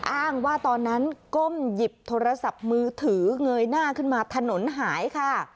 อ้างว่าตอนนั้นก้มหยิบโทรศัพท์มือถือเงยหน้าขึ้นมาถนนหายค่ะ